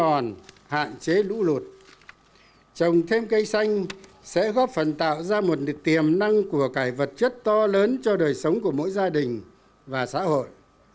trồng thêm cây xanh để góp phần hạn chế lũ lụt trồng thêm cây xanh sẽ góp phần tạo ra một tiềm năng của cải vật chất to lớn cho đời sống của mỗi gia đình và xã hội